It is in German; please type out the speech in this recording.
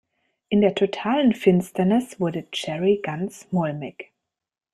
In der totalen Finsternis wurde Jerry ganz mulmig.